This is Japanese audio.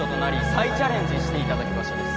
再チャレンジしていただく場所です